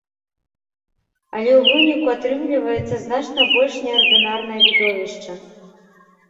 Але ў выніку атрымліваецца значна больш неардынарнае відовішча.